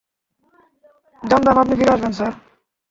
জানতাম আপনি ফিরে আসবেন, স্যার।